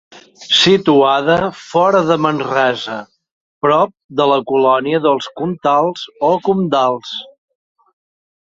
Situada fora de Manresa, prop de la colònia dels Comtals o Comdals.